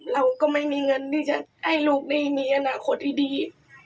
เราก็ไม่มีเงินที่จะให้ลูกได้มีอนาคตที่ดี